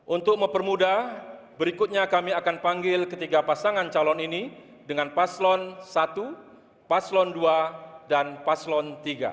untuk mempermudah berikutnya kami akan panggil ketiga pasangan calon ini dengan paslon satu paslon dua dan paslon tiga